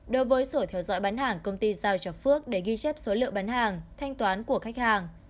đối với sổ theo dõi bán hàng công ty giao cho phước để ghi chép số lượng bán hàng thanh toán của khách hàng